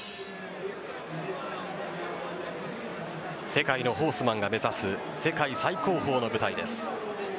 世界のホースマンが目指す世界最高峰の舞台です。